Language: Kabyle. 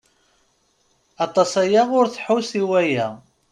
Aṭas aya ur tesḥus i waya.